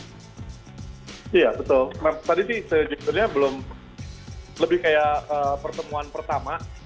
iya betul tadi sih sejujurnya belum lebih kayak pertemuan pertama